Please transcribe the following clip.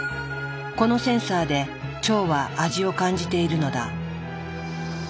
このセンサーで腸は味を感じているのだ。